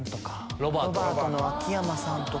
ロバートの秋山さんとか。